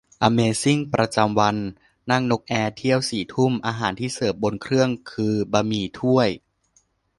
อเมซิ่งประจำวัน : นั่งนกแอร์เที่ยวสี่ทุ่ม อาหารที่เสิร์ฟบนเครื่องคือ บะหมี่ถ้วย !